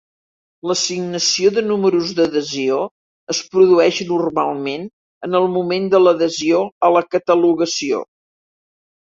L'assignació de números d'adhesió es produeix normalment en el moment de l'adhesió o la catalogació.